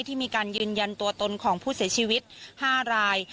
ที่มีการยืนยันตัวตนของผู้เสียชีวิต๕ราย